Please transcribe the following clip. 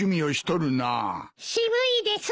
渋いです。